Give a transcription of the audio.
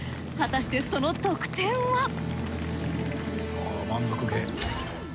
果たしてその得点は？